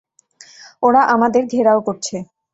ওরা আমাদের ঘেরাও করছে।